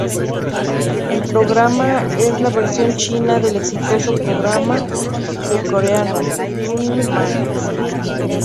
El programa es la versión china del exitoso programa surcoreano Running Man.